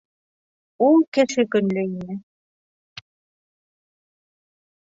Ул кеше көнлө ине...